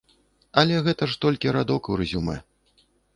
Але гэта ж толькі радок у рэзюмэ.